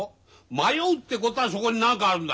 迷うってこたあそこに何かあるんだ。